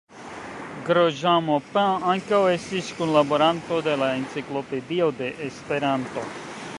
Grosjean-Maupin ankaŭ estis kunlaboranto de la Enciklopedio de Esperanto.